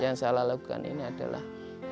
yang salah lakukan ini adalah